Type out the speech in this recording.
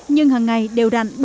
nhưng hằng ngày đều đặn